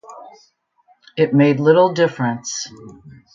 It made little difference.